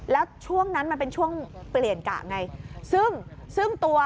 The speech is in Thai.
แล้วช่วงนั้นเนี้ยเป็นช่วงเปลี่ยนกลางไงซึ่งตัว